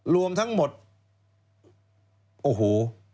รวมทั้งหมดโอ้โห